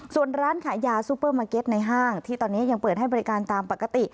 ส่วนร้านขายยาซูเปอร์มาร์เก็ตในห้างที่ตอนนี้ยังเปิดให้บริการตามปกติ